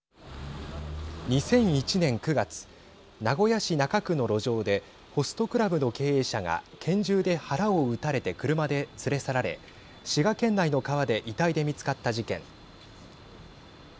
２００１年９月名古屋市中区の路上でホストクラブの経営者が拳銃で腹を撃たれて車で連れ去られ滋賀県内の川で遺体で見つかった事件。